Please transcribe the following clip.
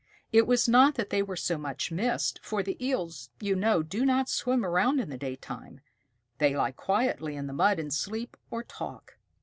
It was not that they were so much missed, for the Eels, you know, do not swim around in the daytime. They lie quietly in the mud and sleep or talk.